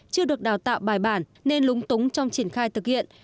chưa được đào tạo bài bản nên lúng túng trong triển khai thực hiện